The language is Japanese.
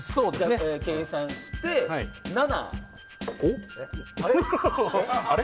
計算して７。